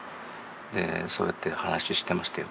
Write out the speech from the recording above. でそうやって話ししてましたよ。